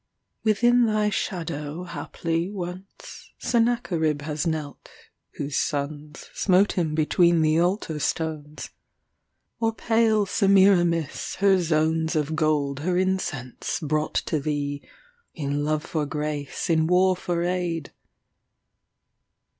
Within thy shadow, haply, onceSennacherib has knelt, whose sonsSmote him between the altar stones; Or pale Semiramis her zonesOf gold, her incense brought to thee, In love for grace, in war for aid:….